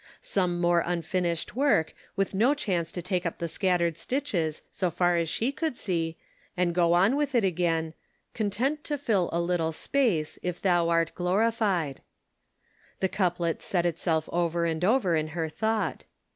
Some more unfinished work, with no chance to take up the scattered stitches, so far as she could see, and go on with it again :" Content to fill a little space, IfThou art glorified." The couplet said itself over and over in her thought.